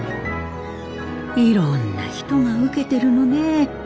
いろんな人が受けてるのねえ。